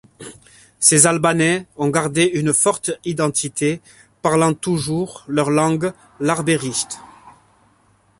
Ces Albanais ont gardé une forte identité, parlant toujours leur langue, l'arbërisht.